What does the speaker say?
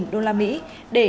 ba đô la mỹ để